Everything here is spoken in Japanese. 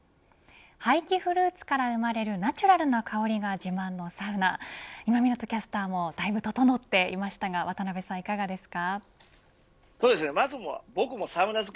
廃棄フルーツから生まれるナチュラルな香りが自慢のサウナ今湊キャスターもだいぶととのっていましたが渡辺さん、いかがですか。